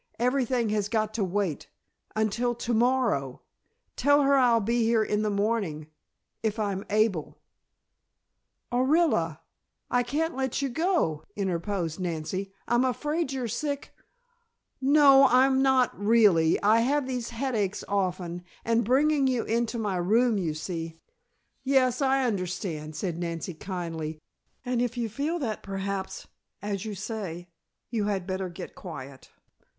Everything has got to wait until to morrow. Tell her I'll be here in the morning if I'm able " "Orilla, I can't let you go," interposed Nancy. "I'm afraid you're sick " "No, I'm not, really. I have these headaches often, and bringing you into my room, you see " "Yes, I understand," said Nancy kindly. "And if you feel that perhaps, as you say, you had better get quiet.